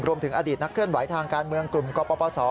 รวมถึงอดีตนักเคลื่อนไหวทางการเมืองกลุ่มกปศ